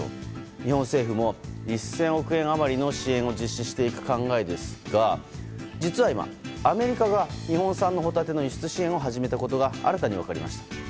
日本政府も１０００億円余りの支援を実施していく考えですが実は今、アメリカが日本産のホタテの輸出支援を始めたことが新たに分かりました。